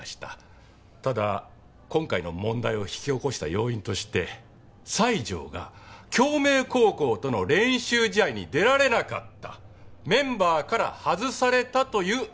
ただ今回の問題を引き起こした要因として西条が京明高校との練習試合に出られなかったメンバーから外されたという事実があります。